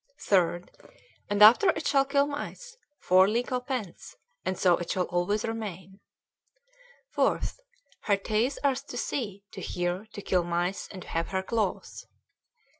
3d. And after it shall kill mice, four legal pence; and so it shall always remain. 4th. Her teithe are to see, to hear, to kill mice, and to have her claws.